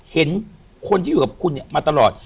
เห็นคนที่อยู่กับคุณเนี่ยมาตลอด